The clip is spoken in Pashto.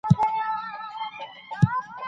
سياسي ثبات پرمختګ ګړندی کوي.